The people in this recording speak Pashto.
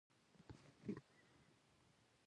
کروندګر د باران په نغمه خوښي کوي